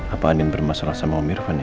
apa yang bermasalah sama om irfan ya